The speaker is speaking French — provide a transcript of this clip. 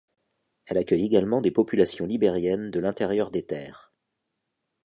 Elle accueille également des populations libériennes de l’intérieur des terres.